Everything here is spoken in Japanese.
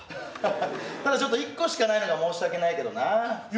ただちょっと一個しかないのが申し訳ないけどな。